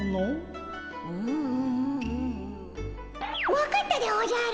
分かったでおじゃる！